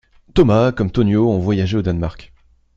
Thomas comme Tonio ont voyagé au Danemark.